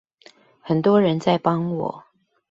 很多人在幫我